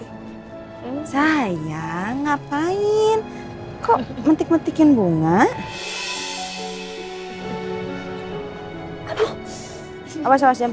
reina kikilnya lagi di halaman lagi metikin bunga kalo gak salah mbak